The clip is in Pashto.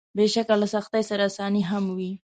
بېشکه له سختۍ سره اساني هم وي.